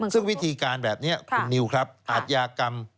ซึ่งวิธีการแบบนี้คุณนิวครับอาทยากรรม